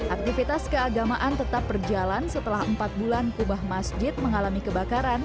aktivitas keagamaan tetap berjalan setelah empat bulan kubah masjid mengalami kebakaran